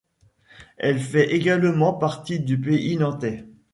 Elle fait également partie du Pays nantais.